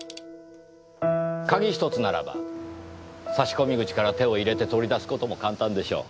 鍵１つならば差込口から手を入れて取り出す事も簡単でしょう。